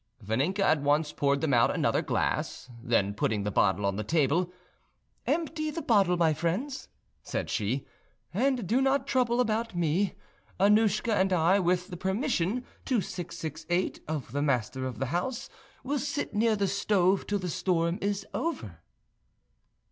Vaninka at once poured them out another glass; then putting the bottle on the table, "Empty the bottle, my friends," said she, "and do not trouble about me. Annouschka and I, with the permission 2668 of the master of the house, will sit near the stove till the storm is over."